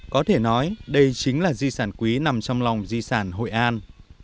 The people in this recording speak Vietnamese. có thể nói đây chính là di sản quý nằm trong lòng di sản hội an